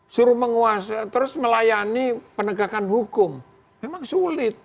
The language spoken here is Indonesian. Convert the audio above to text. suruh menguasai terus melayani penegakan hukum memang sulit